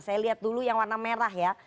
saya lihat dulu yang warna merah ya